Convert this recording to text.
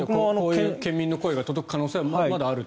県民の声が届く可能性はまだあると。